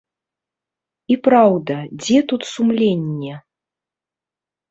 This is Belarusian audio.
І праўда, дзе тут сумленне?